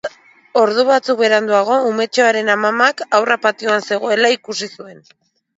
Ordu batzuk beranduago, umetxoaren amamak haurra patioan zegoela ikusi zuen.